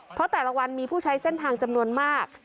เพราะแต่ละวันมีผู้ใช้เส้นทางจำนวนมาก